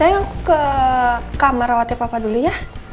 saya ke kamar rawatnya papa dulu ya